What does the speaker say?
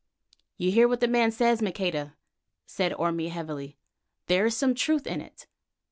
"You hear what the man says, Maqueda?" said Orme heavily. "There is some truth in it.